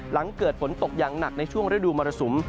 หลังเกิดฝนตกอย่างหนักในช่วงฤดูมรสุม